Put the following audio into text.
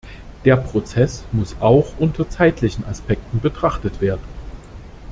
Der Prozess muss auch unter zeitlichen Aspekten betrachtet werden.